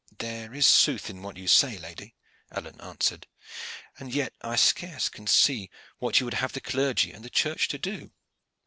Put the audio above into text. "There is sooth in what you say, lady," Alleyne answered; "and yet I scarce can see what you would have the clergy and the church to do."